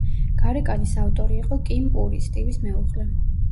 გარეკანის ავტორი იყო კიმ პური, სტივის მეუღლე.